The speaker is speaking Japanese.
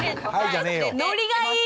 ノリがいい！